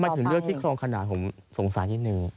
ทำไมถึงเรื่องที่คลองขนานผมสงสารที่หนึ่ง